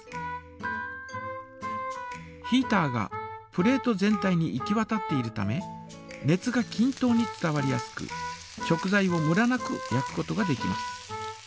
ヒータがプレート全体に行きわたっているため熱がきん等に伝わりやすく食材をムラなく焼くことができます。